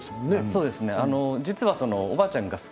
実は、おばあちゃんが「愛燦燦」